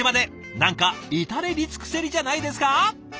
何か至れり尽くせりじゃないですか！？